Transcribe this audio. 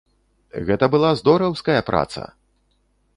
Гэта была здораўская праца!